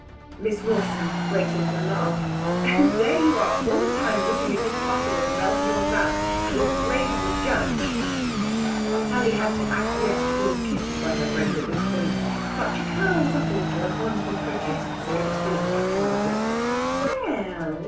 Miss Wilson breaks into a laugh. "And there you are all the time looking as if butter wouldn't melt in your mouth, and as grave as a judge." Sally has to acquiesce in being kissed by her friend at this point; but she curls up a little as one who protests against being patronised. "We e e ell!"